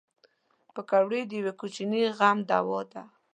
پکورې د یوه کوچني غم دوا ده